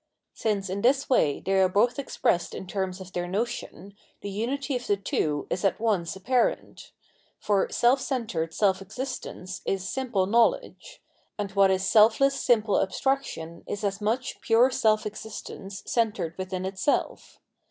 Since in this way they are both expressed m terms of their notion, the unity of the two ■ is at once apparent ; for self centred self existence is simple knowledge ; and what is self less simple abstrac tion is as much pure self existence centred within itself.